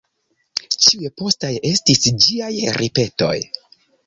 Ĉiuj postaj estis ĝiaj ripetoj.